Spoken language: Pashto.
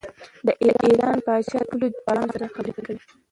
د ایران پاچا د خپلو جنرالانو سره خبرې کوي.